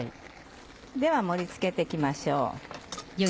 では盛り付けて行きましょう。